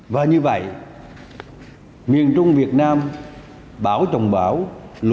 và như vậy miền trung việt nam bão trồng bão lũ trồng lũ